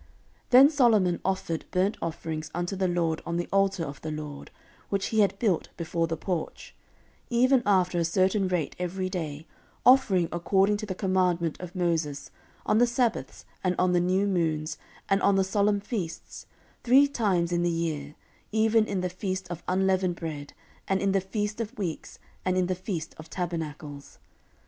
14:008:012 Then Solomon offered burnt offerings unto the LORD on the altar of the LORD, which he had built before the porch, 14:008:013 Even after a certain rate every day, offering according to the commandment of Moses, on the sabbaths, and on the new moons, and on the solemn feasts, three times in the year, even in the feast of unleavened bread, and in the feast of weeks, and in the feast of tabernacles.